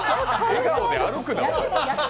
笑顔で歩くな！